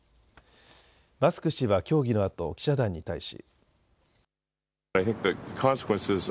マスク氏は協議のあと記者団に対し。